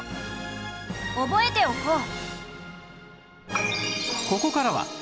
覚えておこう。